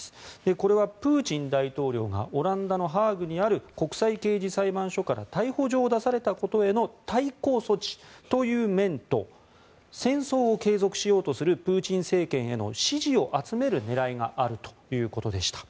これはプーチン大統領がオランダのハーグにある国際刑事裁判所から逮捕状を出されたことへの対抗措置という面と戦争を継続しようとするプーチン政権への支持を集める狙いがあるということでした。